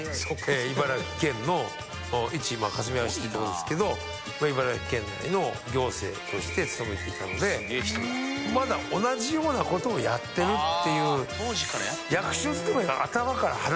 茨城県のかすみがうら市っていう所ですけど茨城県内の行政として勤めていたのでまだ同じような事をやってるっていう。